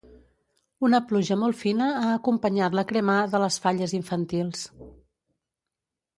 Una pluja molt fina ha acompanyat la ‘cremà’ de les falles infantils.